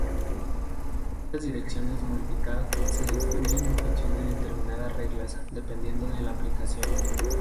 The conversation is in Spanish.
Las direcciones Multicast se construyen en función de determinadas reglas, dependiendo de la aplicación.